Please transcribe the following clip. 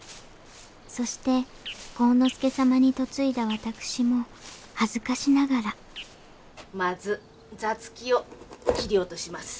そして晃之助様に嫁いだ私も恥ずかしながらまず座付きを切り落とします。